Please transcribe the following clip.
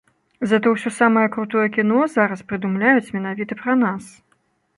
Затое ўсё самае крутое кіно зараз прыдумляюць менавіта пра нас.